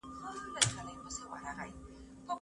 زه به سبا زده کړه کوم!؟